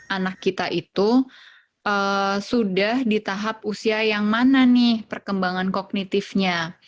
anak kita itu sudah di tahap usia yang mana nih perkembangan kognitifnya